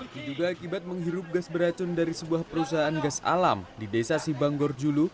tidak akibat menghirup gas beracun dari sebuah perusahaan gas alam di desa sibanggorjulu